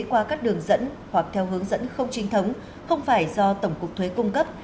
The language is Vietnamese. qua các đường dẫn hoặc theo hướng dẫn không chính thống không phải do tổng cục thuế cung cấp